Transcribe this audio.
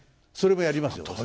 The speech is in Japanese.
それもやりますよ。